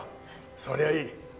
そりゃあいい。